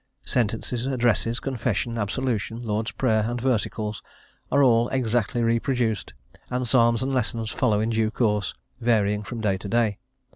Sentences, address, confession, absolution, Lord's Prayer, and versicles, are all exactly reproduced, and Psalms and Lessons follow in due course, varying from day to day.